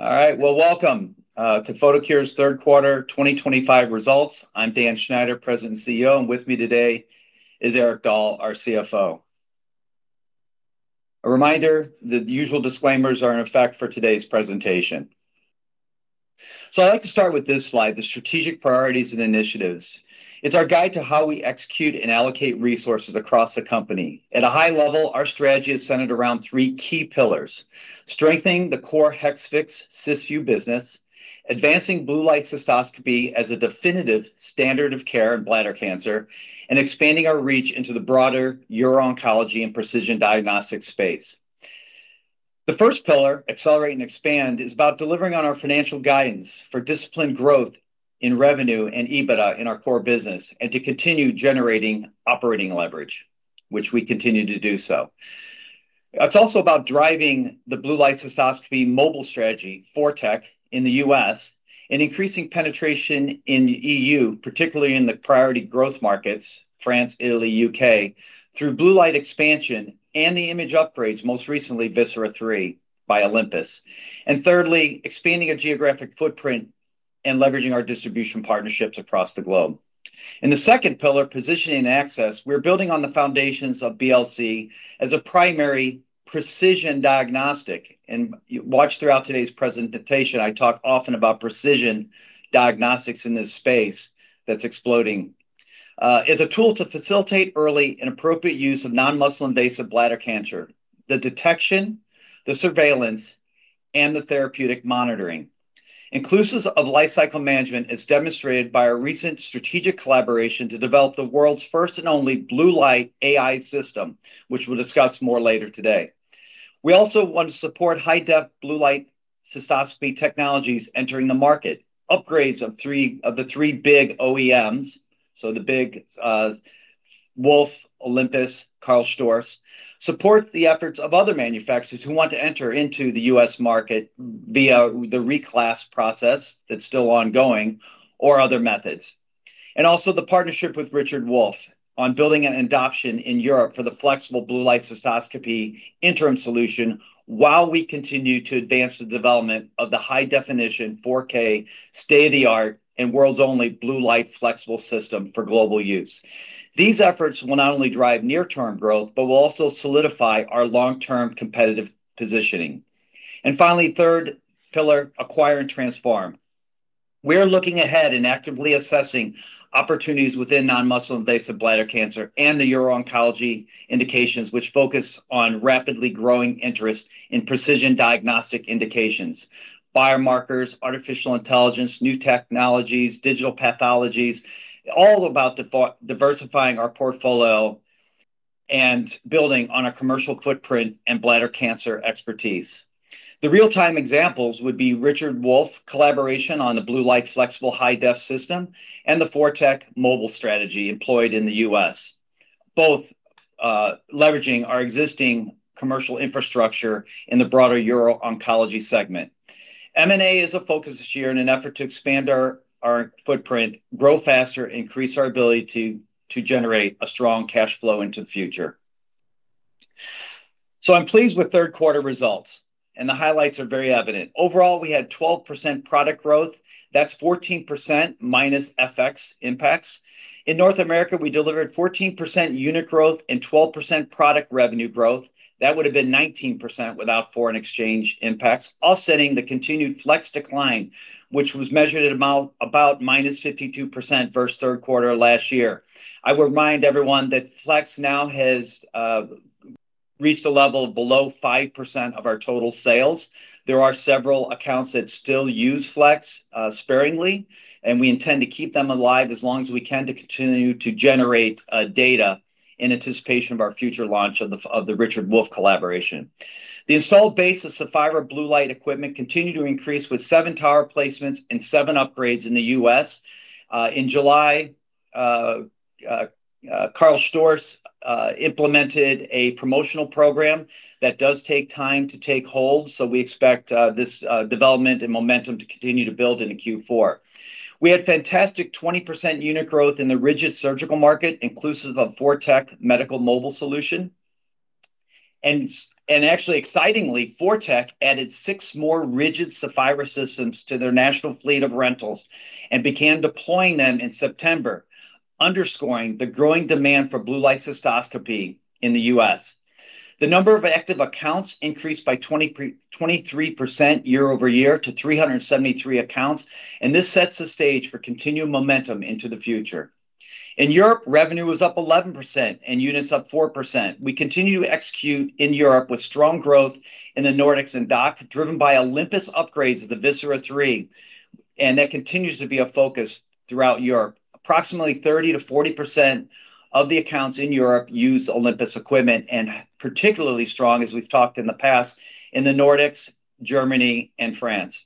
All right, welcome to Photocure's third quarter 2025 results. I'm Dan Schneider, President and CEO, and with me today is Erik Dahl, our CFO. A reminder, the usual disclaimers are in effect for today's presentation. I'd like to start with this slide. The Strategic Priorities and Initiatives is our guide to how we execute and allocate resources across the company at a high level. Our strategy is centered around three key pillars: strengthening the core Hexvix/Cysview, advancing Blue Light Cystoscopy as a definitive standard of care in bladder cancer, and expanding our reach into the broader uro-oncology and precision diagnostics space. The first pillar, Accelerate and Expand, is about delivering on our financial guidance for disciplined growth in revenue and EBITDA in our core business and to continue generating operating leverage, which we continue to do. It's also about driving the Blue Light Cystoscopy mobile strategy, ForTec in the U.S., and increasing penetration in Europe, particularly in the priority growth markets France, Italy, and UK through Blue Light expansion and the image upgrades, most recently Visera III by Olympus, and thirdly, expanding our geographic footprint and leveraging our distribution partnerships across the globe. In the second pillar, Positioning Access, we're building on the foundations of BLC as a primary precision diagnostic. Throughout today's presentation, I talk often about precision diagnostics. In this space that's exploding, it's a tool to facilitate early and appropriate use of non-muscle invasive bladder cancer. The detection, the surveillance, and the therapeutic monitoring inclusive of life cycle management is demonstrated by a recent strategic collaboration to develop the world's first and only blue light AI system, which we'll discuss more later today we also want to support high-def Blue Light Cystoscopy technologies entering the market, upgrades of three of the three big OEMs, so the big Wolf, Olympus, Karl Storz, support the efforts of other manufacturers who want to enter into the U.S. market via the reclass process that's still ongoing or other methods, and also the partnership with Richard Wolf on building and adoption in Europe for the flexible Blue Light Cystoscopy interim solution, while we continue to advance the development of the high-definition 4K state-of-the-art and world's only blue light flexible system for global use. These efforts will not only drive near-term growth but will also solidify our long-term competitive positioning. Finally, third pillar, Acquire and Transform. We are looking ahead and actively assessing opportunities within non-muscle invasive bladder cancer and the uro-oncology indications, which focus on rapidly growing interest in precision diagnostic indications, biomarkers, artificial intelligence, new technologies, digital pathologies, all about diversifying our portfolio and building on our commercial footprint and bladder cancer expertise. The real-time examples would be Richard Wolf collaboration on the Blue Light Flexible High-Def system and the ForTec mobile strategy employed in the U.S., both leveraging our existing commercial infrastructure. In the broader uro-oncology segment, M&A is a focus this year in an effort to expand our footprint, grow faster, and increase our ability to generate a strong cash flow into the future. I'm pleased with third quarter results and the highlights are very evident. Overall, we had 12% product growth, that's 14% minus FX impacts. In North America, we delivered 14% unit growth and 12% product revenue growth; that would have been 19% without foreign exchange impacts, offsetting the continued flex decline, which was measured at about -52% versus third quarter last year. I remind everyone that flex now has reached a level of below 5% of our total sales. There are several accounts that still use flex sparingly, and we intend to keep them alive as long as we can to continue to generate data in anticipation of our future launch of the Richard Wolf collaboration. The installed base of Saphira blue light equipment continued to increase with seven tower placements and seven upgrades in the U.S. In July, Karl Storz implemented a promotional program that does take time to take hold, so we expect this development and momentum to continue to build in Q4, we had fantastic 20% unit growth in the rigid surgical market, inclusive of ForTec Medical mobile solutions, and actually, excitingly, ForTec added six more rigid Saphira systems to their national fleet of rentals and began deploying them in September, underscoring the growing demand for Blue Light Cystoscopy. In the U.S., the number of active accounts increased by 20.23% year-over-year to 373 accounts, and this sets the stage for continued momentum into the future. In Europe, revenue was up 11% and units up 4%. We continue to execute in Europe with strong growth in the Nordics and DACH driven by Olympus upgrades of the Visera III, and that continues to be a focus throughout Europe. Approximately 30%-40% of the accounts in Europe use Olympus equipment and particularly strong, as we've talked in the past, in the Nordics, Germany, and France.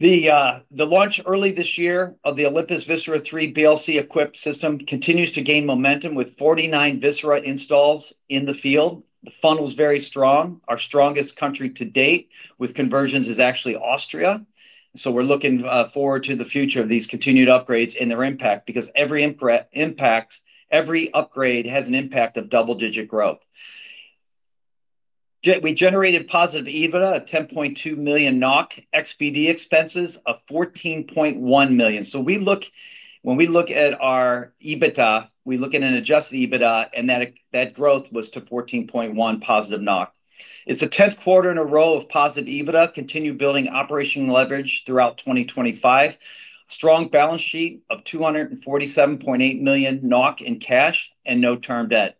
The launch early this year of the Olympus Visera III BLC equipped system continues to gain momentum with 49 Visera installs in the field. The funnel is very strong. Our strongest country to date with conversions is actually Austria, so we're looking forward to the future of these continued upgrades and their impact because every upgrade has an impact of double-digit growth. We generated positive EBITDA 10.2 million NOK, excluding expenses of 14.1 million. When we look at our EBITDA, we look at an adjusted EBITDA, and that growth was to 14.1 million positive. It's the 10th quarter in a row of positive EBITDA. Continue building operational leverage throughout 2025. Strong balance sheet of 247.8 million NOK in cash and no term debt,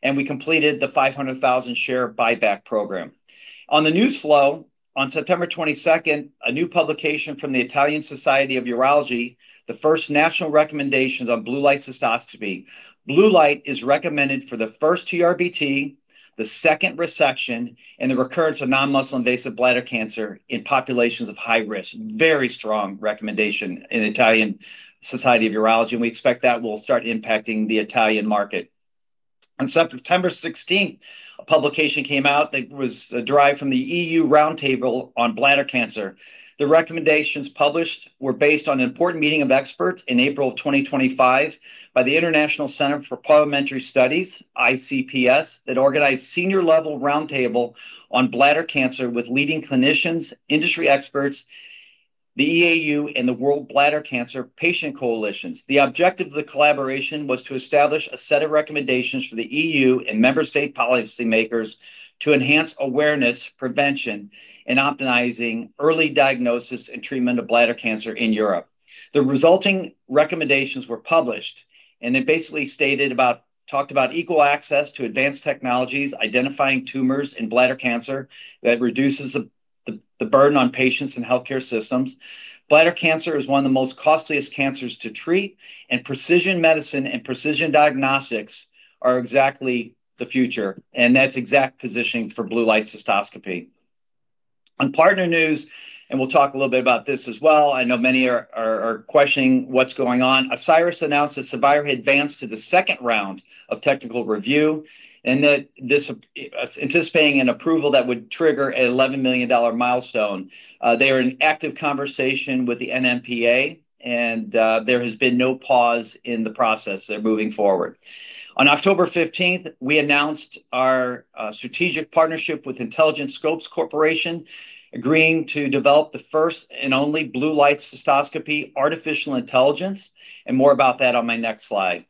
and we completed the 500,000 share buyback program. On the news flow, on September 22nd, a new publication from the Italian Society of Urology, the first national recommendations on Blue Light Cystoscopy. Blue Light is recommended for the first TURBT, the second resection, and the recurrence of non-muscle invasive bladder cancer in populations of high risk. Very strong recommendation in the Italian Society of Urology, and we expect that will start impacting the Italian market. On September 16th, a publication came out that was derived from the EU Roundtable on Bladder Cancer. The recommendations published were based on an important meeting of experts in April of 2025 by the International Centre for Parliamentary Studies, ICPS, that organized a senior-level Roundtable on Bladder Cancer with leading clinicians, industry experts, the EAU, and the World Bladder Cancer Patient Coalitions. The objective of the collaboration was to establish a set of recommendations for the EU and member policymakers to enhance awareness, prevention, and optimizing early diagnosis and treatment of bladder cancer in Europe. The resulting recommendations were published, and it basically stated about equal access to advanced technologies identifying tumors in bladder cancer that reduces the burden on patients and healthcare systems. Bladder cancer is one of the most costliest cancers to treat, and precision medicine and precision diagnostics are exactly the future. That's exact positioning for Blue Light Cystoscopy on partner news. We'll talk a little bit about this as well. I know many are questioning what's going on. Asieris announced that Savira advanced to the second round of technical review and that this is anticipating an approval that would trigger an $11 million milestone. They are in active conversation with the NMPA, and there has been no pause in the process. They're moving forward. On October 15th, we announced our strategic partnership with Intelligent Scopes Corporation, agreeing to develop the first and only Blue Light Cystoscopy artificial intelligence, and more about that on my next slide.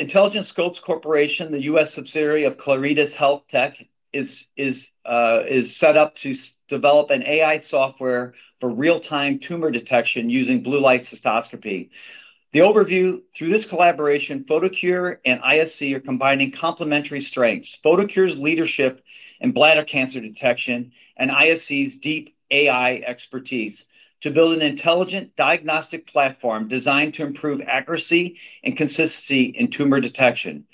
Intelligent Scopes Corporation, the U.S. subsidiary of Claritas HealthTech, is set up to develop an AI software for real-time tumor detection using Blue Light Cystoscopy. The overview through this collaboration, Photocure and ISC are combining complementary strengths. Photocure's leadership in bladder cancer detection and ISC's deep AI expertise to build an intelligent diagnostic platform designed to improve accuracy and consistency in tumor detection.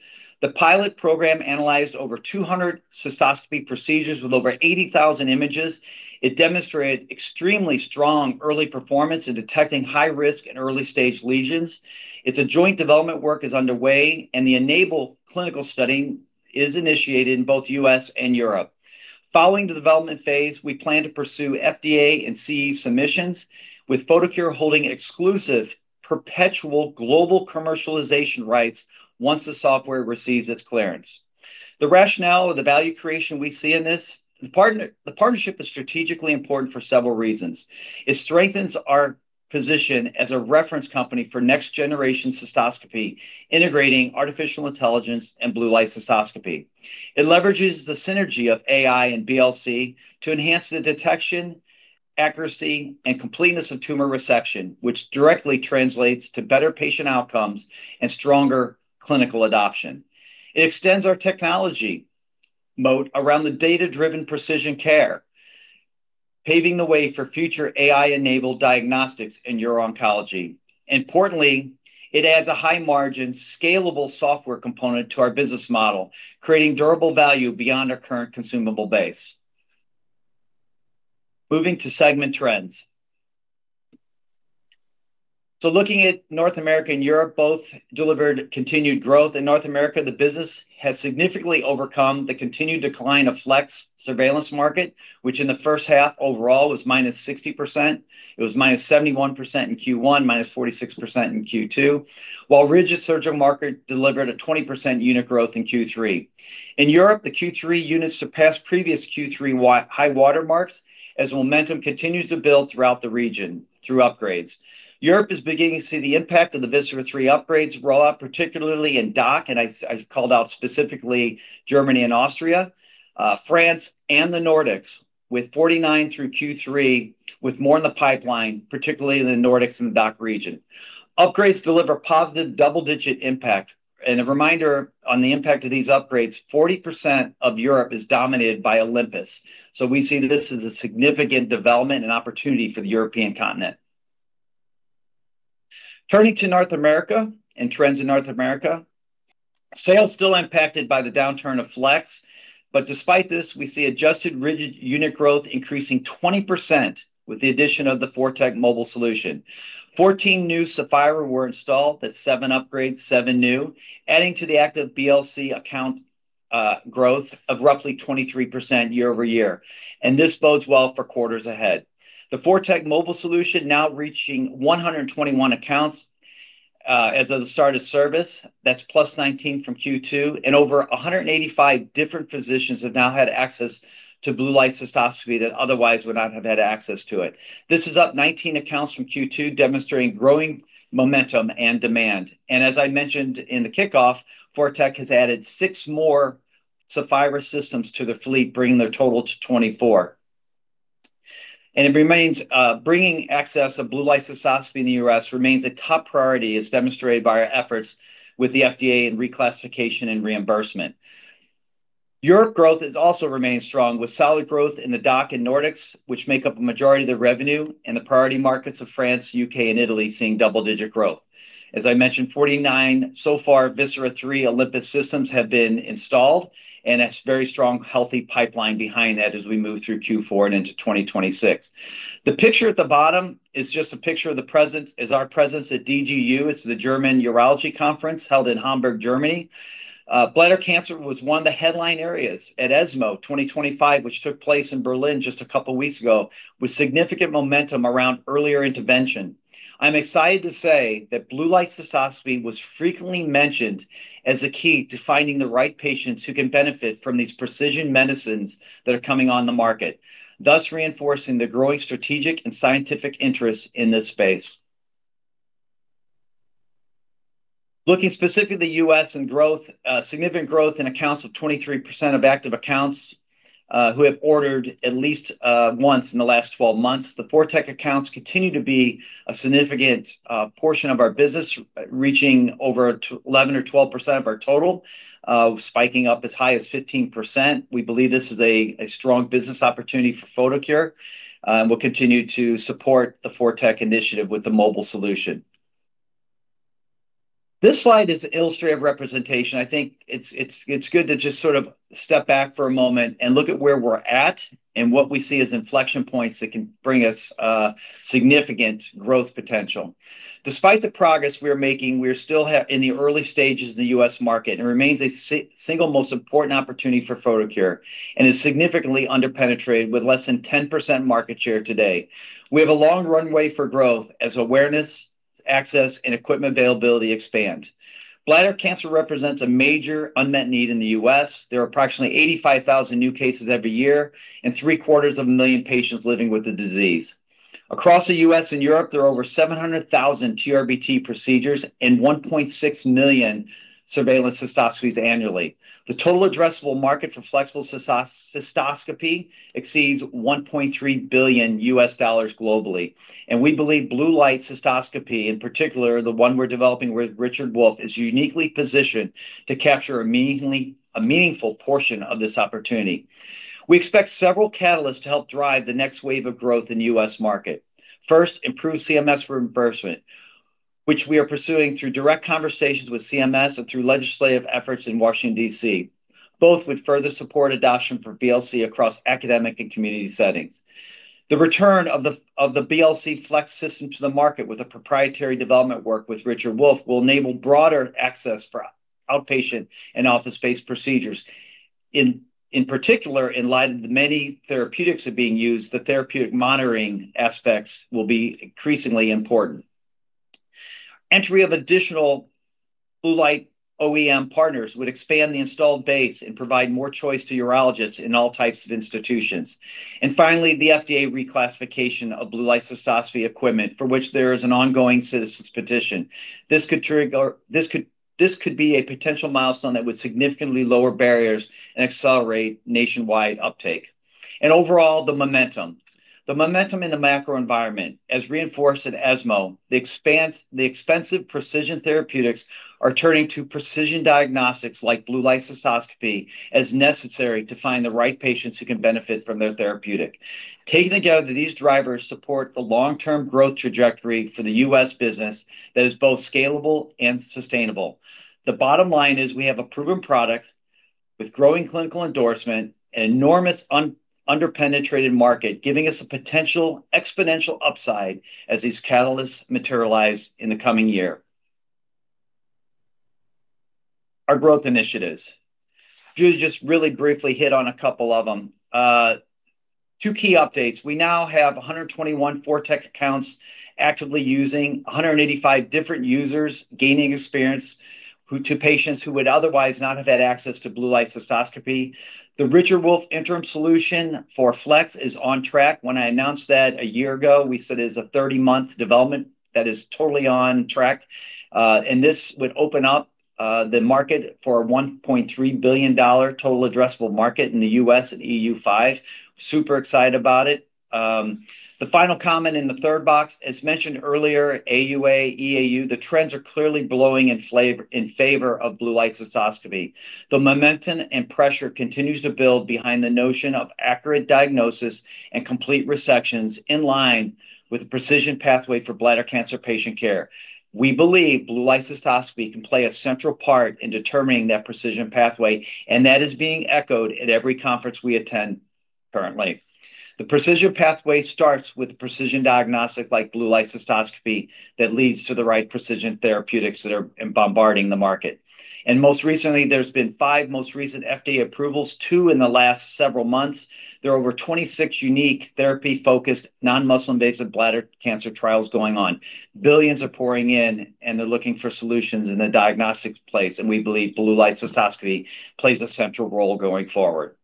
The pilot program analyzed over 200 cystoscopy procedures with over 80,000 images. It demonstrated extremely strong early performance in detecting high-risk and early-stage lesions. Joint development work is underway, and the ENABLE clinical study is initiated in both the U.S. and Europe. Following the development phase, we plan to pursue FDA and CE submissions, with Photocure holding exclusive perpetual global commercialization rights once the software receives its clearance. The rationale of the value creation we see in this partnership is strategically important for several reasons. It strengthens our position as a reference company for next generation cystoscopy, integrating artificial intelligence and Blue Light Cystoscopy. It leverages the synergy of AI and BLC to enhance the detection accuracy and completeness of tumor resection, which directly translates to better patient outcomes and stronger clinical adoption. It extends our technology moat around the data-driven precision care, paving the way for future AI-enabled diagnostics in uro-oncology. Importantly, it adds a high-margin scalable software component to our business model, creating durable value beyond our current consumable base. Moving to segment trends, looking at North America and Europe, both delivered continued growth. In North America, the business has significantly overcome the continued decline of flexible surveillance market, which in the first half overall was -60%. It was -71% in Q1, -46% in Q2, while rigid surgical market delivered a 20% unit growth in Q3. In Europe, the Q3 units surpassed previous Q3 high water marks. As momentum continues to build throughout the region through upgrades, Europe is beginning to see the impact of the Visera III upgrades roll out, particularly in the DACH region, and I called out specifically Germany and Austria, France, and the Nordics, with 49 through Q3 with more in the pipeline, particularly in the Nordics and DACH region. Upgrades deliver positive double-digit impact, and a reminder on the impact of these upgrades: 40% of Europe is dominated by Olympus, so we see this as a significant development and opportunity for the European continent. Turning to North America and trends in North America, sales still impacted by the downturn of flex. Despite this, we see adjusted rigid unit growth increasing 20% with the addition of the ForTec mobile solution. 14 new Saphira were installed, that's 7 upgrades, 7 new, adding to the active BLC account growth of roughly 23% year-over-year, and this bodes well for quarters ahead. The ForTec mobile solution now reaching 121 accounts as of the start of service. That's +19 from Q2, and over 185 different physicians have now had access to Blue Light Cystoscopy that otherwise would not have had access to it. This is up 19 accounts from Q2, demonstrating growing momentum and demand. As I mentioned in the kickoff, ForTec has added six more Saphira systems to the fleet, bringing their total to 24. Bringing access of Blue Light Cystoscopy in the U.S. remains a top priority as demonstrated by our efforts with the FDA in reclassification and reimbursement. Europe growth has also remained strong with solid growth in the DACH and Nordics, which make up a majority of the revenue, and the priority markets of France, UK, and Italy seeing double-digit growth. As I mentioned, 49 so far Visera III Olympus systems have been installed and a very strong, healthy pipeline behind that. As we move through Q4 and into 2026, the picture at the bottom is just a picture of our presence at DGU. It's the German Urology conference held in Hamburg. Bladder cancer was one of the headline areas at ESMO 2025, which took place in Berlin just a couple of weeks ago, with significant momentum around earlier intervention. I'm excited to say that Blue Light Cystoscopy was frequently mentioned as a key to finding the right patients who can benefit from these precision medicines that are coming on the market, thus reinforcing the growing strategic and scientific interest in this space. Looking specifically at the US and growth, significant growth in accounts of 23% of active accounts who have ordered at least once in the last 12 months. The ForTec accounts continue to be a significant portion of our business, reaching over 11% or 12% of our total, spiking up as high as 15%. We believe this is a strong business opportunity for Photocure and we'll continue to support the ForTec initiative with the mobile solution. This slide is an illustrative representation. I think it's good to just sort of step back for a moment and look at where we're at and what we see as inflection points that can bring us significant growth potential. Despite the progress we are making, we're still in the early stages in the U.S. market and it remains the single most important opportunity for Photocure and is significantly underpenetrated with less than 10% market share today. We have a long runway for growth as awareness, access, and equipment availability expand. Bladder cancer represents a major unmet need in the U.S. There are approximately 85,000 new cases every year and 3/4 of a million patients living with the disease across the U.S. and Europe. There are over 700,000 TURBT procedures and 1.6 million surveillance cystoscopies annually. The total addressable market for flexible cystoscopy exceeds $1.3 billion globally and we believe Blue Light Cystoscopy, in particular the one we're developing with Richard Wolf, is uniquely positioned to capture immediately a meaningful portion of this opportunity. We expect several catalysts to help drive the next wave of growth in the US market. First, improved CMS reimbursement, which we are pursuing through direct conversations with CMS and through legislative efforts in Washington, D.C. Both would further support adoption for BLC across academic and community settings. The return of the BLC Flex system to the market with our proprietary development work with Richard Wolf will enable broader access for outpatient and office-based procedures. In particular, in light of the many therapeutics are being used, the therapeutic monitoring aspects will be increasingly important. Entry of additional Blue Light OEM partners would expand the installed base and provide more choice to urologists in all types of institutions. Finally, the FDA reclassification of Blue Light Cystoscopy equipment, for which there is an ongoing citizens petition, could be a potential milestone that would significantly lower barriers and accelerate nationwide uptake. Overall, the momentum in the macro environment, as reinforced at ESMO, the expensive precision therapeutics are turning to precision diagnostics like Blue Light Cystoscopy as necessary to find the right patients who can benefit from their therapeutic taking. Together, these drivers support the long term growth trajectory for the U.S. business that is both scalable and sustainable. The bottom line is we have a proven product with growing clinical endorsement, enormous underpenetrated market giving us a potential exponential upside as these catalysts materialize in the coming year. Our growth initiatives, just really briefly hit on a couple of them. Two key updates. We now have 121 ForTec accounts actively using 185 different users, gaining experience to patients who would otherwise not have had access to Blue Light Cystoscopy. The Richard Wolf interim solution for Flex is on track. When I announced that a year ago, we said it is a 30 month development that is totally on track and this would open up the market for a $1.3 billion total addressable market in the U.S. and EU. Super excited about the final comment in the third box. As mentioned earlier, AUA, EAU, the trends are clearly blowing in favor of Blue Light Cystoscopy. The momentum and pressure continues to build behind the notion of accurate diagnosis and complete resections in line with precision pathway for bladder cancer patient care. We believe Blue Light Cystoscopy can play a central part in determining that precision pathway and that is being echoed at every conference we attend. Currently, the precision pathway starts with precision diagnostic like Blue Light Cystoscopy that leads to the right precision therapeutics that are bombarding the market. Most recently, there's been five most recent FDA approvals, two in the last several months. There are over 26 unique therapy focused non muscle invasive bladder cancer trials going on. Billions are pouring in and they're looking for solutions in the diagnostics place and we believe Blue Light Cystoscopy plays a central role going forward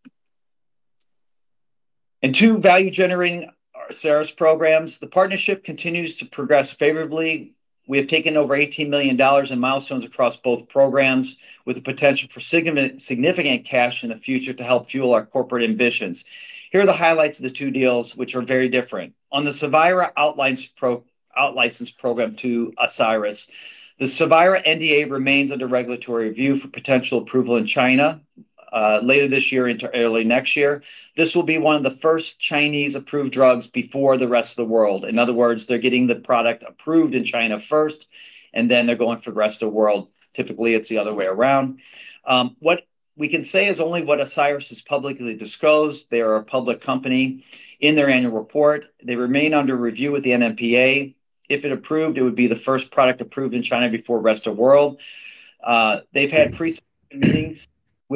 and two value generating SARIS programs. The partnership continues to progress favorably. We have taken over $18 million in milestones across both programs with the potential for significant cash in the future to help fuel our corporate ambitions. Here are the highlights of the two deals which are very different. On the Savira out-license program to Asieris Therapeutics, the Savira NDA remains under regulatory review for potential approval in China later this year into early next year. This will be one of the first Chinese approved drugs before the rest of the world. In other words, they're getting the product approved in China first and then they're going for the rest of the world. Typically it's the other way around. What we can say is only what Asieris Therapeutics has publicly disclosed. They are a public company in their annual report. They remain under review with the NMPA. If it is approved, it would be the first product approved in China before rest of world. They've had pre-meetings with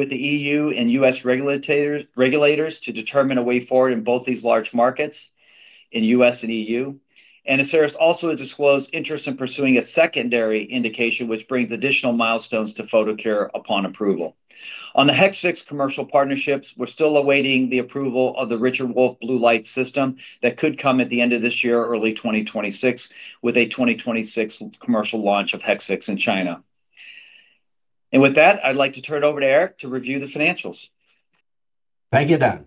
the EU and U.S. regulators to determine a way forward in both these large markets in U.S. and EU and Asieris Therapeutics also disclosed interest in pursuing a secondary indication which brings additional milestones to Photocure upon approval. On the Hexvix commercial partnerships, we're still awaiting the approval of the Richard Wolf Blue Light system. That could come at the end of this year or early 2026 with a 2026 commercial launch of Hexvix in China. With that, I'd like to turn it over to Erik to review the financials. Thank you Dan.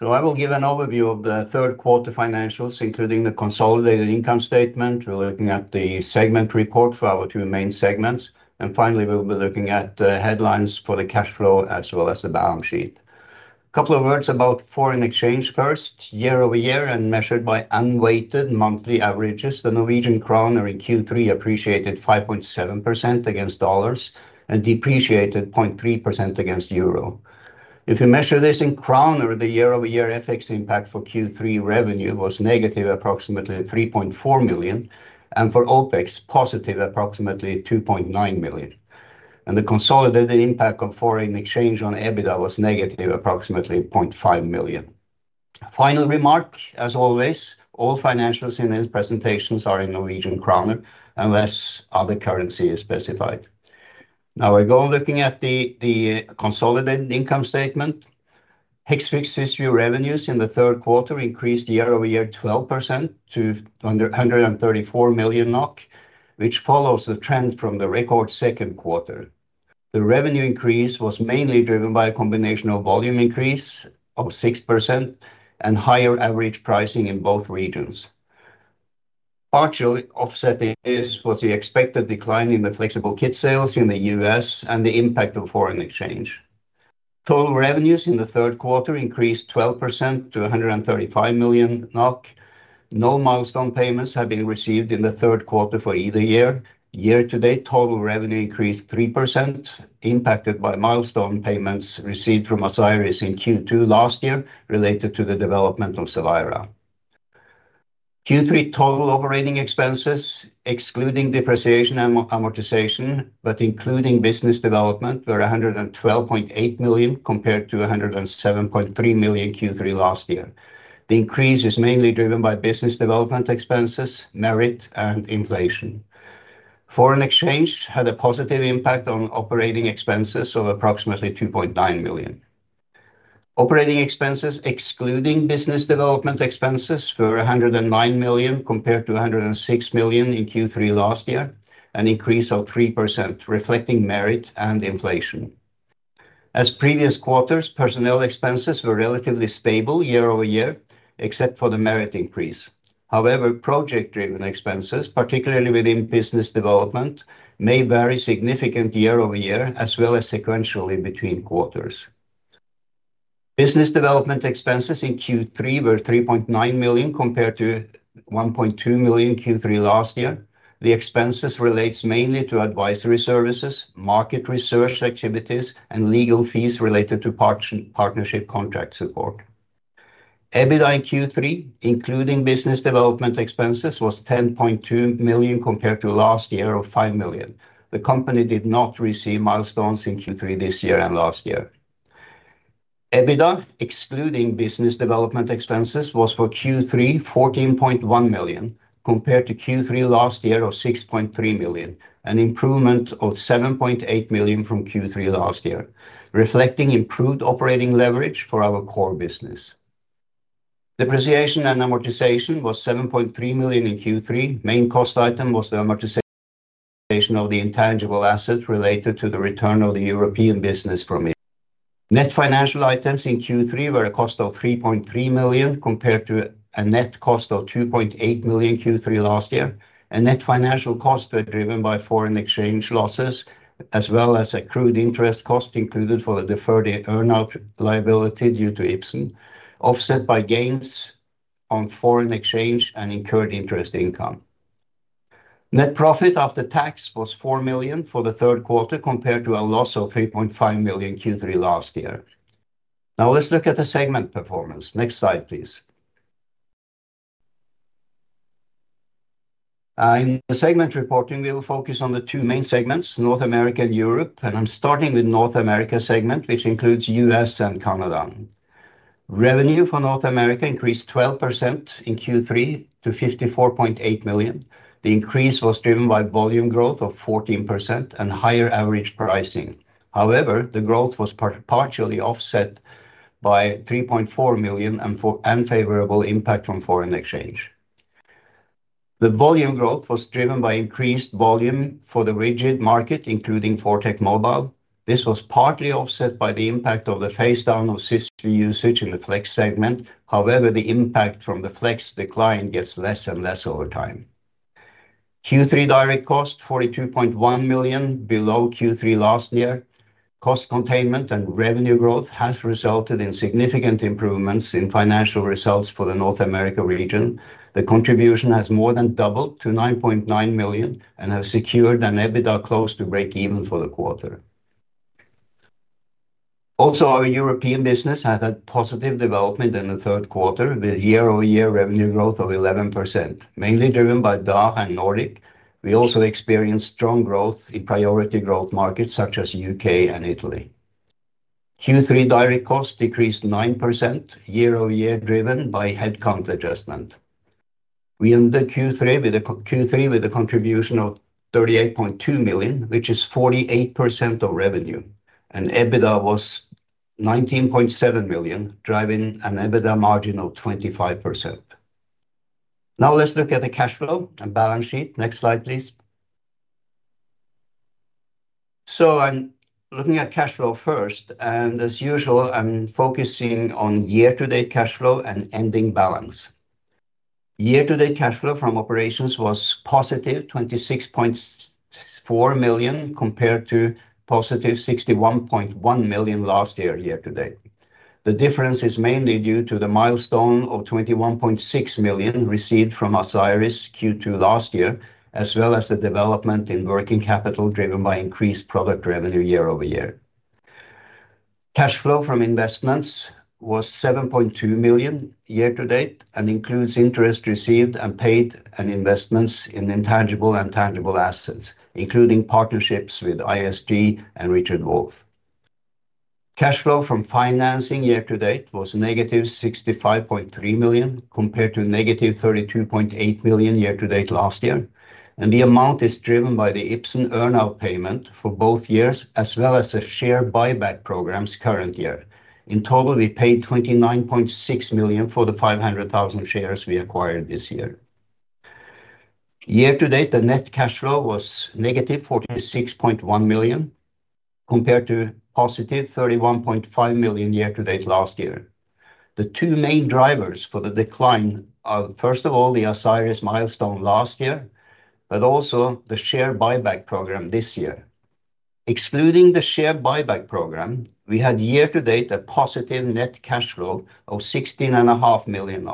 I will give an overview of the third quarter financials including the consolidated income statement. We're looking at the segment report for our two main segments and finally we'll be looking at the headlines for the cash flow as well as the balance sheet. A couple of words about foreign exchange first year-over-year and measured by unweighted monthly averages. The Norwegian kroner in Q3 appreciated 5.7% against dollars and depreciated 0.3% against euro. If you measure this in kroner, the year-over-year FX impact for Q3 revenue was negative approximately 3.4 million and for OpEx positive approximately 2.9 million and the consolidated impact on foreign exchange on EBITDA was negative approximately 0.5 million. Final remark as always, all financials in this presentation are in Norwegian krone unless other currency is specified. Now I go looking at the consolidated income statement. Hexvix revenues in the third quarter increased year-over-year 12% to 134 million NOK, which follows the trend from the record second quarter. The revenue increase was mainly driven by a combination of volume increase of 6% and higher average pricing in both regions. Partially offsetting this was the expected decline in the flexible kit sales in the U.S. and the impact of foreign exchange. Total revenues in the third quarter increased 12% to 135 million NOK. No milestone payments have been received in the third quarter for either year. Year to date, total revenue increased 3% impacted by milestone payments received from Asieris in Q2 last year related to the development of Savira. Q3 total operating expenses excluding depreciation and amortization but including business development were 112.8 million compared to 107.3 million Q3 last year. The increase is mainly driven by business development expenses, merit and inflation. Foreign exchange had a positive impact on operating expenses of approximately 2.9 million. Operating expenses excluding business development expenses were 109 million compared to 106 million in Q3 last year, an increase of 3% reflecting merit and inflation as previous quarters. Personnel expenses were relatively stable year-over-year except for the merit increase. However, project driven expenses, particularly within business development, may vary significantly year-over-year as well as sequentially between quarters. Business development expenses in Q3 were 3.9 million compared to 1.2 million Q3 last year. The expenses relates mainly to advisory services, market research activities, and legal fees related to partnership contract support. EBITDA in Q3 including business development expenses was 10.2 million compared to last year of 5 million. The company did not receive milestones in Q3 this year and last year. EBITDA excluding business development expenses was for Q3 14.1 million compared to Q3 last year of 6.3 million, an improvement of 7.8 million from Q3 last year reflecting improved operating leverage for our core business. Depreciation and amortization was 7.3 million in Q3. Main cost item was the amortization of the intangible assets related to the return of the European business from it. Net financial items in Q3 were a cost of 3.3 million compared to a net cost of 2.8 million Q3 last year, and net financial costs were driven by foreign exchange losses as well as accrued interest cost included for the deferred earnout liability due to Ipsen, offset by gains on foreign exchange and incurred interest income. Net profit after tax was 4 million for the third quarter compared to a loss of 3.5 million Q3 last year. Now let's look at the segment performance. Next slide please. In the segment reporting we will focus on the two main segments, North America and Europe, and I'm starting with North America segment which includes U.S. and Canada. Revenue for North America increased 12% in Q3 to 54.8 million. The increase was driven by volume growth of 14% and higher average pricing. However, the growth was partially offset by 3.4 million unfavorable impact on foreign exchange. The volume growth was driven by increased volume for the rigid market including ForTec Mobile. This was partly offset by the impact of the phase down of Cysview usage in the Flex segment. However, the impact from the Flex decline gets less and less over time. Q3 direct cost 42.1 million below Q3 last year. Cost containment and revenue growth has resulted in significant improvements in financial results for the North America region. The contribution has more than doubled to 9.9 million and have secured an EBITDA close to break even for the quarter. Also, our European business had a positive development in the third quarter with year-over-year revenue growth of 11% mainly driven by DACH and Nordics. We also experienced strong growth in priority growth markets such as UK and Italy. Q3 direct costs decreased 9% year-over-year driven by headcount adjustment. We ended Q3 with a contribution of $38.2 million, which is 48% of revenue, and EBITDA was $19.7 million, driving an EBITDA margin of 25%. Now let's look at the cash flow and balance sheet. Next slide please. I'm looking at cash flow first, and as usual, I'm focusing on year to date cash flow and ending balance. Year to date cash flow from operations was positive $26.4 million compared to positive $61.1 million last year. Year to date, the difference is mainly due to the milestone of $21.6 million received from Asieris in Q2 last year, as well as the development in working capital driven by increased product revenue year-over-year. Cash flow from investments was $7.2 million year to date and includes interest received and paid and investments in intangible and tangible assets, including partnerships with ISC and Richard Wolf. Cash flow from financing year to date was negative $65.3 million compared to negative $32.8 million year to date last year, and the amount is driven by the Ipsen earnout payment for both years as well as a share buyback program this year. In total, we paid $29.6 million for the 500,000 shares we acquired this year. Year to date, the net cash flow was negative $46.1 million compared to positive $31.5 million year to date last year. The two main drivers for the decline are, first of all, the Asieris milestone last year, but also the share buyback program this year. Excluding the share buyback program, we had year to date a positive net cash flow of $16.5 million,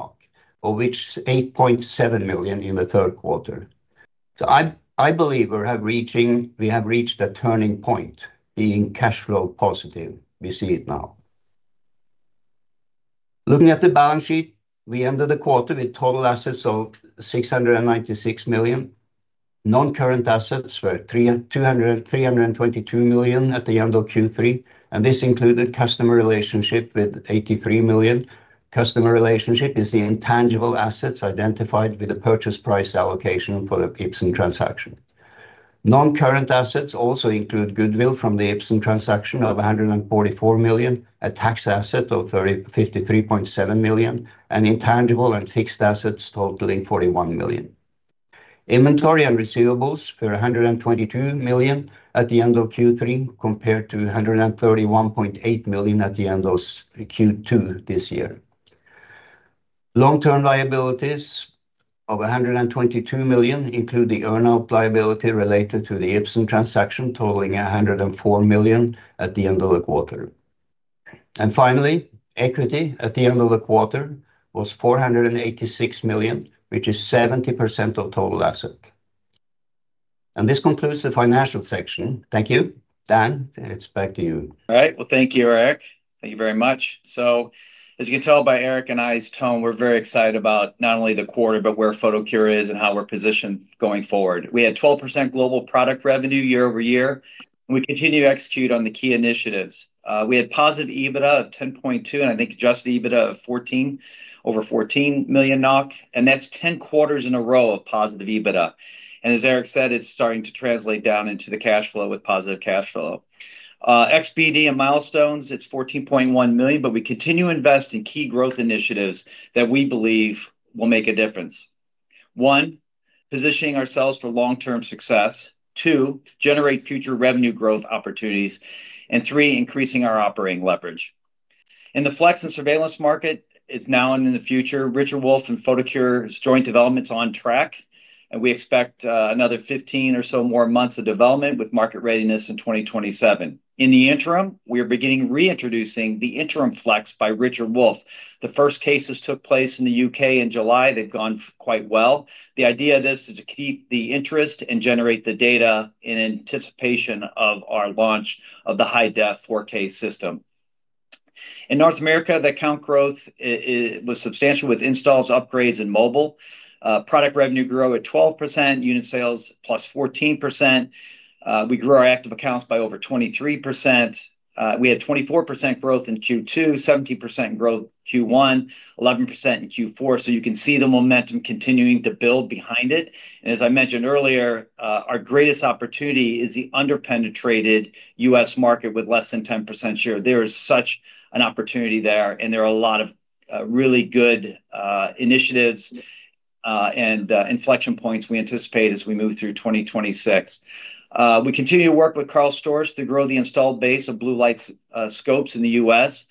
of which $8.7 million in the third quarter. I believe we have reached a turning point being cash flow positive. We see it now looking at the balance sheet. We ended the quarter with total assets of $696 million. Non-current assets were $322 million at the end of Q3, and this included customer relationship with $83 million. Customer relationship is the intangible assets identified with the purchase price allocation for the Ipsen transaction. Non-current assets also include goodwill from the Ipsen transaction of $144 million, a tax asset of $53.7 million, and intangible and fixed assets totaling $41 million. Inventory and receivables were $122 million at the end of Q3 compared to $131.8 million at the end of Q2 this year. Long-term liabilities of $122 million include the earnout liability related to the Ipsen transaction totaling $104 million at the end of the quarter. Finally, equity at the end of the quarter was $486 million, which is 70% of total assets. This concludes the Financial section. Thank you, Dan, it's back to you. All right, thank you, Erik. Thank you very much. As you can tell by Erik and my tone, we're very excited about not only the quarter but where Photocure is and how we're positioned going forward. We had 12% global product revenue year-over-year. We continue to execute on the key initiatives. We had positive EBITDA of 10.2 million and I think adjusted EBITDA of over 14 million NOK, and that's 10 quarters in a row of positive EBITDA. As Erik said, it's starting to translate down into the cash flow. With positive cash flow, XBD and milestones, it's 14.1 million. We continue to invest in key growth initiatives that we believe will make a difference. One, positioning ourselves for long-term success; two, generate future revenue growth opportunities; and three, increasing our operating leverage in the flex and surveillance market, now and in the future. Richard Wolf and Photocure's joint developments are on track and we expect another 15 or so more months of development with market readiness in 2027. In the interim, we are beginning reintroducing the interim flex by Richard Wolf. The first cases took place in the UK in July. They've gone quite well. The idea of this is to keep the interest and generate the data in anticipation of our launch of the high-def 4K system in North America. The account growth was substantial with installs, upgrades, and mobile product revenue grew at 12%. Unit sales plus 14%. We grew our active accounts by over 23%. We had 24% growth in Q2, 17% growth in Q1, 11% in Q4. You can see the momentum continuing to build behind it. As I mentioned earlier, our greatest opportunity is the underpenetrated U.S. market with less than 10% share. There is such an opportunity there and there are a lot of really good initiatives and inflection points we anticipate as we move through 2026. We continue to work with Karl Storz to grow the installed base of Blue Light scopes in the U.S.,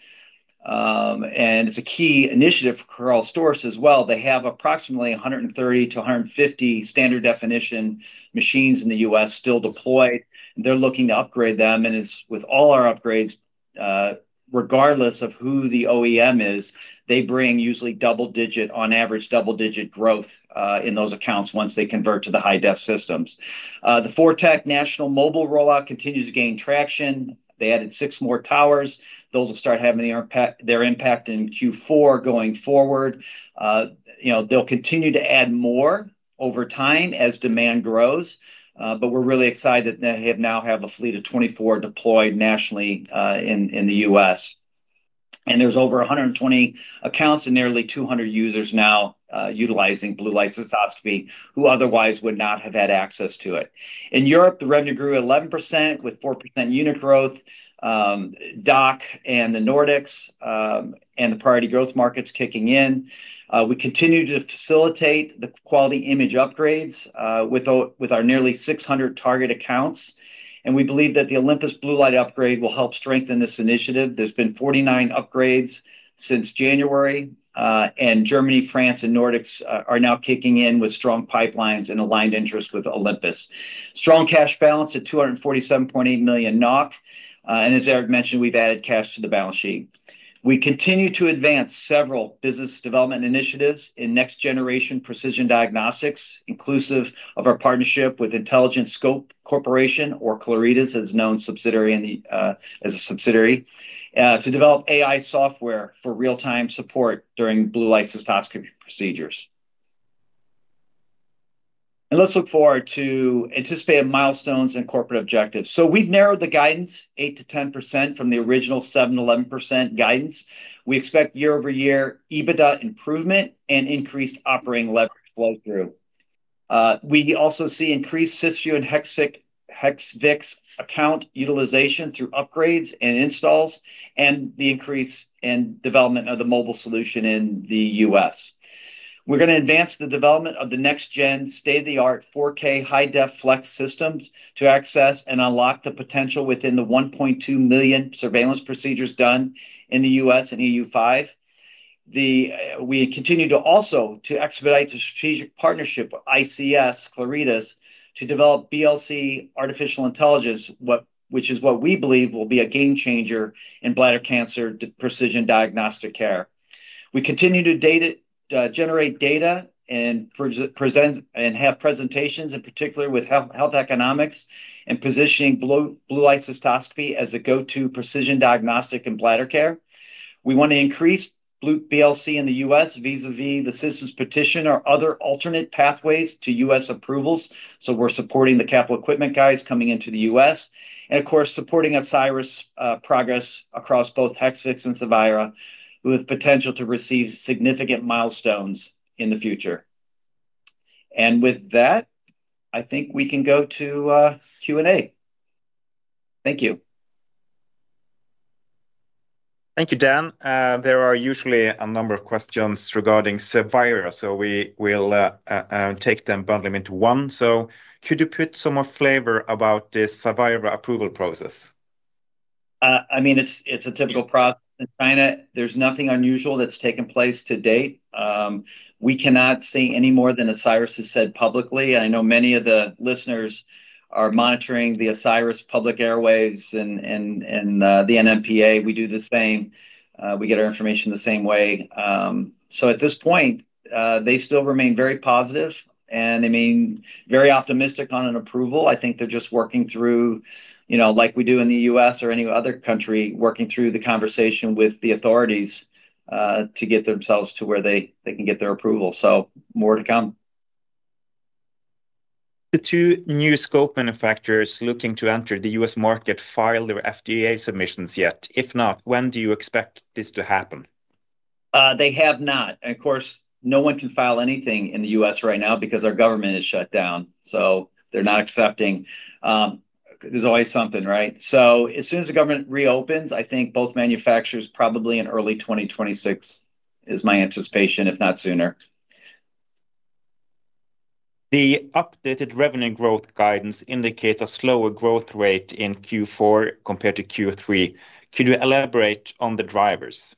and it's a key initiative for Karl Storz as well. They have approximately 130-150 standard definition machines in the U.S. still deployed. They're looking to upgrade them, and with all our upgrades, regardless of who the OEM is, they bring usually double-digit, on average double-digit, growth in those accounts once they convert to the high-def systems. The ForTec national mobile rollout continues to gain traction. They added six more towers. Those will start having their impact in Q4 going forward. You know they'll continue to add more over time as demand grows. We're really excited. They now have a fleet of 24 deployed nationally in the U.S. and there's over 120 accounts and nearly 200 users now utilizing Blue Light Cystoscopy who otherwise would not have had access to it. In Europe, the revenue grew 11% with 4% unit growth in the DACH and the Nordics and the priority growth markets kicking in. We continue to facilitate the quality image upgrades with our nearly 600 target accounts and we believe that the Olympus Blue Light upgrade will help strengthen this initiative. There have been 49 upgrades since January and Germany, France, and Nordics are now kicking in with strong pipelines and aligned interest with Olympus. Strong cash balance at 247.8 million NOK and as Erik mentioned we've added cash to the balance sheet. We continue to advance several business development initiatives in next generation precision diagnostics inclusive of our partnership with Intelligent Scopes Corporation, or Claritas as known subsidiary, to develop AI-driven real-time tumor detection software for real-time support during Blue Light Cystoscopy procedures. Let's look forward to anticipated milestones and corporate objectives. We've narrowed the guidance to 8%-10% from the original 7%-11% guidance. We expect year-over-year EBITDA improvement and increased operating leverage flow through. We also see increased Cysview and Hexvix account utilization through upgrades and installs and the increase in development of the mobile solutions in the U.S. We're going to advance the development of the next gen state-of-the-art 4K high-def flex systems to access and unlock the potential within the 1.2 million surveillance procedures done in the U.S. and EU5. We continue to also expedite the strategic partnership with ISC Claritas to develop BLC artificial intelligence which is what we believe will be a game changer in bladder cancer precision diagnostic care. We continue to generate data and have presentations in particular with health economics and positioning Blue Light Cystoscopy as a go-to precision diagnostic and bladder care. We want to increase BLC in the U.S. vis-à-vis the systems petition or other alternate pathways to U.S. approvals. We're supporting the capital equipment guys coming into the U.S. and of course supporting Asieris progress across both Hexvix and Savira with potential to receive significant milestones in the future. With that, I think we can go to Q and A. Thank you. Thank you, Dan. There are usually a number of questions regarding Savira, so we will take them and bundle them into one. Could you put some more flavor about this Savira approval process? I mean it's a typical process in China. There's nothing unusual that's taken place to date. We cannot say any more than Asieris Therapeutics has said publicly. I know many of the listeners are monitoring the Asieris public airwaves and the NMPA. We do the same. We get our information the same way. At this point they still remain very positive and I mean very optimistic on an approval. I think they're just working through, you know, like we do in the U.S. or any other country, working through the conversation with the authorities to get themselves to where they can get their approval. More to come. The two new scope manufacturers looking to enter the US market filed their FDA submissions yet? If not, when do you expect this to happen? They have not and of course no one can file anything in the U.S. right now because our government is shut down. They're not accepting. There's always something. Right. As soon as the government reopens, I think both manufacturers probably in early 2026 is my anticipation, if not sooner. The updated revenue growth guidance indicates a slower growth rate in Q4 compared to Q3. Could you elaborate on the drivers?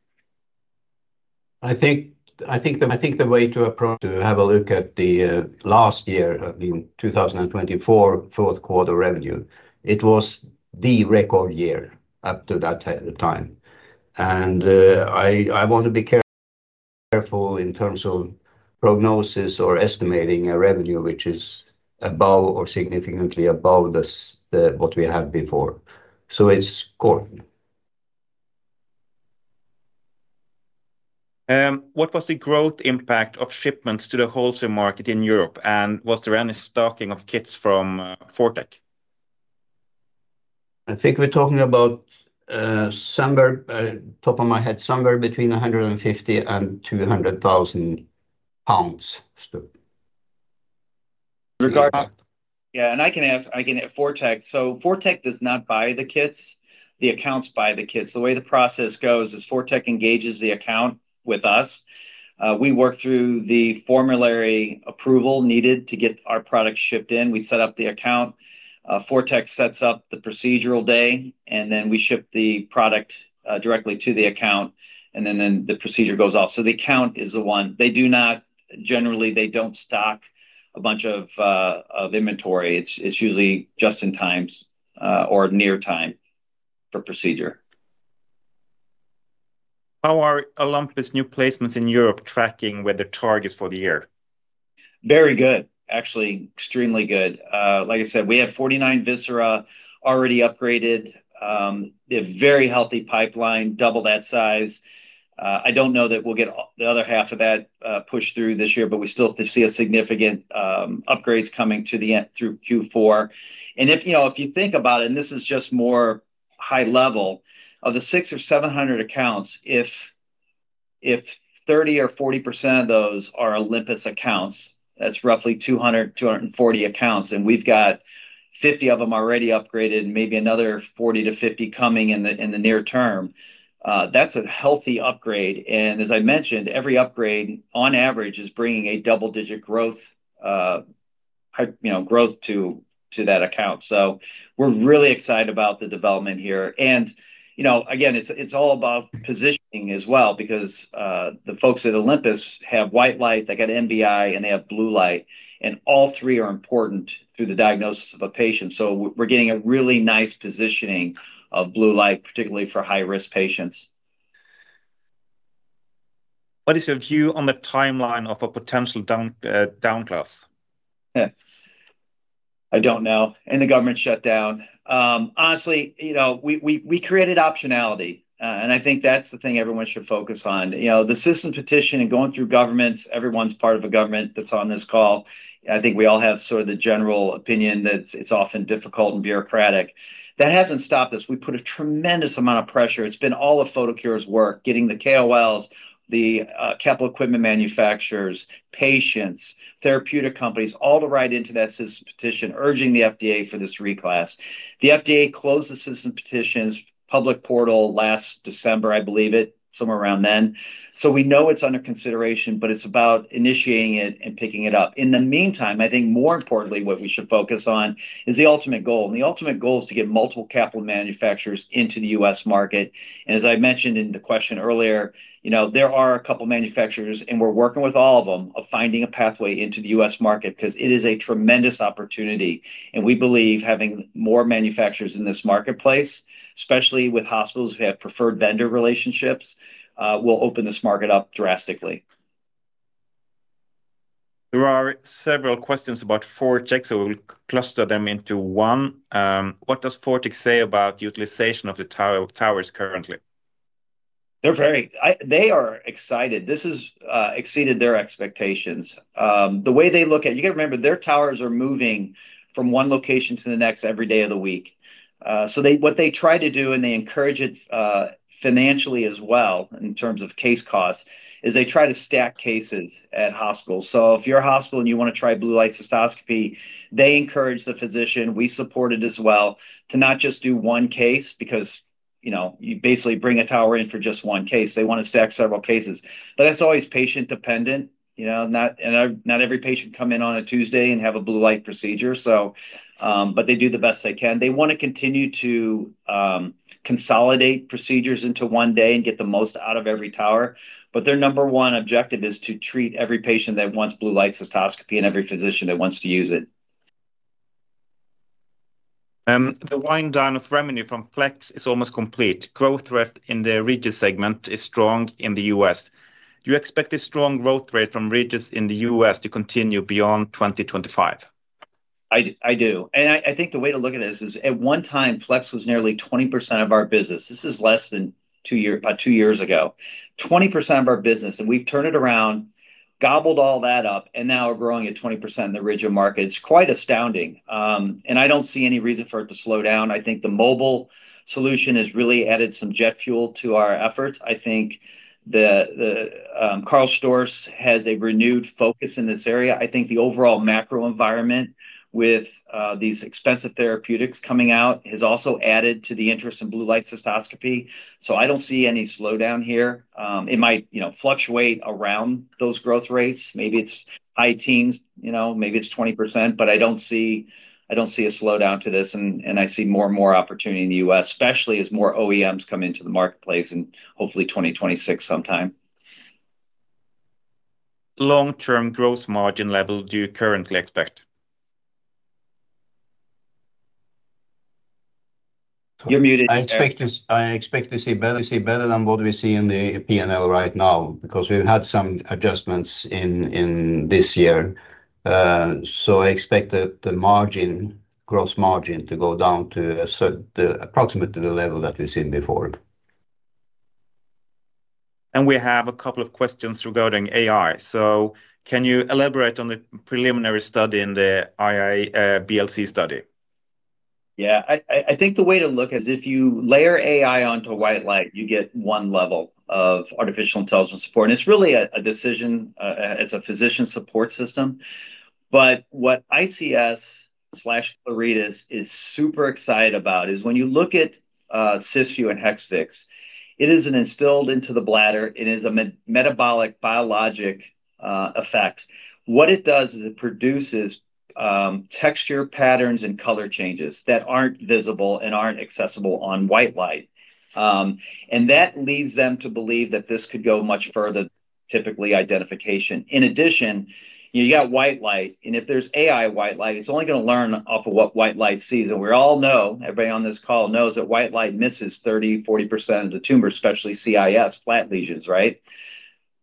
I think the way to approach, to have a look at the last year in 2024, fourth quarter revenue. It was the record year up to that time and I want to be careful. Careful in terms of prognosis or estimating a revenue which is above or significantly above this what we had before. So it's cor. What was the growth impact of shipments to the wholesale market in Europe, and was there any stocking of kits from ForTec? I think we're talking about, somewhere off the top of my head, somewhere between 150,000-200,000 pounds. Yeah. I can hit ForTec. ForTec does not buy the kits. The accounts buy the kits. The way the process goes is ForTec engages the account with us. We work through the formulary approval needed to get our products shipped in. We set up the account, ForTec sets up the procedural day, and then we ship the product directly to the account and then the procedure goes off. The account is the one. They do not generally stock a bunch of inventory. It's usually just in time or near time for procedure. How are Olympus new placements in Europe tracking with their targets for the year? Very good, actually. Extremely good. Like I said, we have 49 Visera already upgraded. There's a very healthy pipeline, double that size. I don't know that we'll get the other half of that pushed through this year. We still see significant upgrades coming to the end through Q4. If you think about it, and this is just more high level, of the 600 or 700 accounts, if 30% or 40% of those are Olympus accounts, that's roughly 200, 240 accounts, and we've got 50 of them already upgraded, maybe another 40-50 coming in the near term. That's a healthy upgrade. As I mentioned, every upgrade on average is bringing a double-digit growth to that account. We're really excited about the development here. It's all about positioning as well because the folks at Olympus have white light, they got NBI, and they have blue light, and all three are important through the diagnosis of a patient. We're getting a really nice positioning of blue light, particularly for high-risk patients. What is your view on the timeline of a potential downgrade? I don't know. The government shutdown, honestly, we created optionality and I think that's the thing everyone should focus on, the system petition and going through governments. Everyone's part of a government that's on this call. I think we all have sort of the general opinion that it's often difficult and bureaucratic. That hasn't stopped us. We put a tremendous amount of pressure. It's been all of Photocure's work getting the KOLs, the capital equipment manufacturers, patients, therapeutic companies, all to write into that system petition urging the FDA for this reclass. The FDA closed the system petition's public portal last December. I believe it was somewhere around then. We know it's under consideration, but it's about initiating it and picking it up. In the meantime, I think more importantly what we should focus on is the ultimate goal. The ultimate goal is to get multiple capital manufacturers into the U.S. market. As I mentioned in the question earlier, there are a couple manufacturers and we're working with all of them on finding a pathway into the U.S. market because it is a tremendous opportunity. We believe having more manufacturers in this marketplace, especially with hospitals who have preferred vendor relationships, will open this market up drastically. There are several questions about ForTec so we will cluster them into one. What does ForTec say about utilization of the towers currently? They're very, they are excited. This has exceeded their expectations. The way they look at it, you got to remember their towers are moving from one location to the next every day of the week. What they try to do, and they encourage it financially as well in terms of case costs, is they try to stack cases at hospitals. If you're a hospital and you want to try Blue Light Cystoscopy, they encourage the physician, we support it as well, to not just do one case because you know, you basically bring a tower in for just one case. They want to stack several cases, but that's always patient dependent, you know. Not every patient comes in on a Tuesday and has a blue light procedure. They do the best they can. They want to continue to consolidate procedures into one day and get the most out of every tower. Their number one objective is to treat every patient that wants Blue Light Cystoscopy and every physician that wants to use it. The wind down of remedy from Flex is almost complete. Growth rate in the region segment is strong in the U.S. Do you expect this strong growth rate from rigid surgical solutions in the U.S. to continue beyond 2025? I do and I think the way to look at this is at one time flex was nearly 20% of our business. This is less than two years ago, 20% of our business and we've turned it around, gobbled all that up and now are growing at 20% in the rigid market. It's quite astounding and I don't see any reason for it to slow down. I think the mobile solution has really added some jet fuel to our efforts. I think Carl Storz has a renewed focus in this area. I think the overall macro environment with these expensive therapeutics coming out has also added to the interest in Blue Light Cystoscopy. I don't see any slowdown here. It might fluctuate around those growth rates. Maybe it's high teens, maybe it's 20%. I don't see a slowdown to this. I see more and more opportunity in the US especially as more OEMs come into the marketplace and hopefully 2026 sometime. Long term gross margin level. Do you currently expect? You're muted? I expect to see better, see better than what we see in the P&L right now because we've had some adjustments in this year. I expect that the gross margin to go down to approximately the level that we've seen before. We have a couple of questions regarding AI. Can you elaborate on the preliminary study in the IBLC study? Yeah, I think the way to look is if you layer AI onto white light, you get one level of artificial intelligence support. It's really a decision as a physician support system. What Intelligent Scopes Corporation Claritas is super excited about is when you look at Cysview and Hexvix, it is instilled into the bladder. It is a metabolic biologic effect. What it does is it produces texture patterns and color changes that aren't visible and aren't accessible on white light. That leads them to believe that this could go much further, typically identification. In addition, you got white light, and if there's AI white light, it's only going to learn off of what white light sees. We all know, everybody on this call knows, that white light misses 30-40% the tumor, especially CIS flat lesions. Right.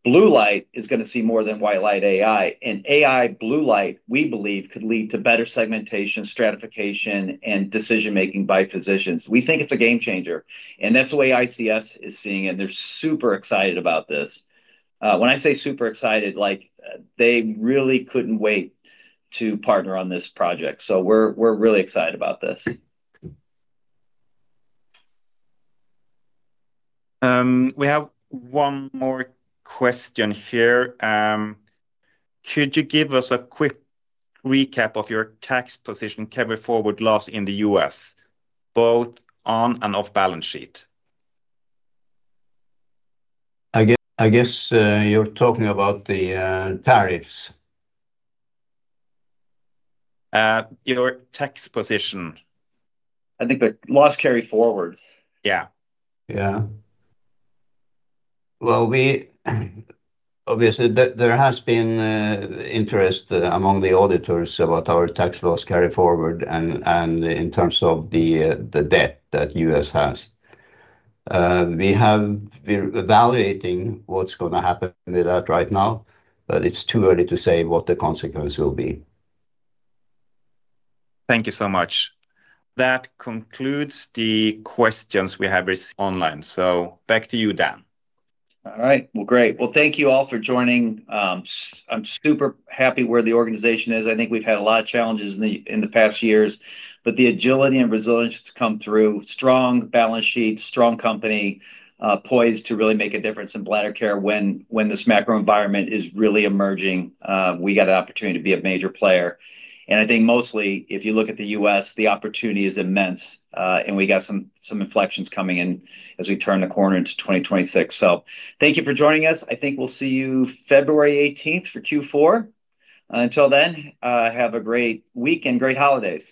Blue light is going to see more than white light. AI and AI blue light, we believe, could lead to better segmentation, stratification, and decision making by physicians. We think it's a game changer, and that's the way Intelligent Scopes Corporation is seeing it. They're super excited about this. When I say super excited, like they really couldn't wait to partner on this project. We're really excited about this. We have one more question here. Could you give us a quick recap of your tax position carry forward loss in the U.S. both on and off balance sheet? I guess you're talking about the tariffs. Your tax position. I think the laws carry forward. Obviously, there has been interest among the auditors about our tax loss carry forward, and in terms of the debt that the U.S. has, we're evaluating what's going to happen with that right now, but it's too early to say what the consequence will be. Thank you so much. That concludes the questions we have online. Back to you, Dan. All right, great. Thank you all for joining. I'm super happy where the organization is. I think we've had a lot of challenges in the past years, but the agility and resilience come through. Strong balance sheet, strong company, poised to really make a difference in bladder care when this macro environment is really emerging. We got an opportunity to be a major player. I think mostly if you look at the U.S. the opportunity is immense. We got some inflections coming in as we turn the corner into 2026. Thank you for joining us. I think we'll see you February 18th for Q4. Until then, have a great week and great holidays.